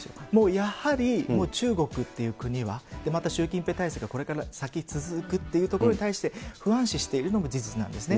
やはりもう中国っていう国は、また習近平体制がこれから先続くっていうところに対して、不安視しているのも事実なんですね。